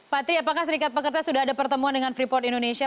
pak tri apakah serikat pekerja sudah ada pertemuan dengan freeport indonesia